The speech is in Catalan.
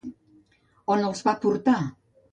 On els va portar?